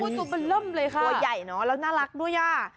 ตัวใหญ่เนาะแล้วน่ารักด้วยน่ะ